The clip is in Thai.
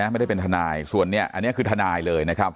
ไม่ได้เป็นทนายส่วนเนี่ยอันนี้คือทนายเลยนะครับ